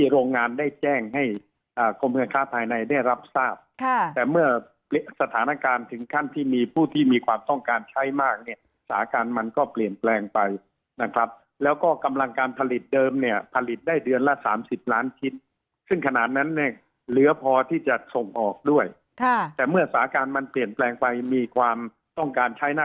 โรงงานได้แจ้งให้กรมการค้าภายในได้รับทราบแต่เมื่อสถานการณ์ถึงขั้นที่มีผู้ที่มีความต้องการใช้มากเนี่ยสาการมันก็เปลี่ยนแปลงไปนะครับแล้วก็กำลังการผลิตเดิมเนี่ยผลิตได้เดือนละสามสิบล้านชิ้นซึ่งขนาดนั้นเนี่ยเหลือพอที่จะส่งออกด้วยค่ะแต่เมื่อสาการมันเปลี่ยนแปลงไปมีความต้องการใช้หน้า